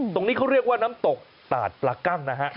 ตรงนี้เขาเรียกว่าน้ำตกตาดปลากั้งนะฮะ